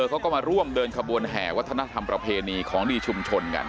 เขาก็มาร่วมเดินขบวนแห่วัฒนธรรมประเพณีของดีชุมชนกัน